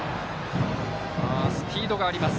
スピードがあります。